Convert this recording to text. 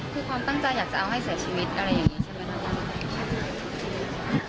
คือความตั้งใจอยากจะเอาให้เสียชีวิตอะไรอย่างนี้ใช่ไหมครับ